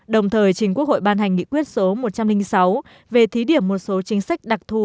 đồng thời chính quốc hội ban hành nghị quyết số một trăm linh sáu về thí điểm một số chính sách đặc thù